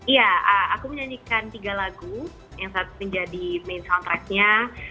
iya aku menyanyikan tiga lagu yang saat menjadi main soundtrack nya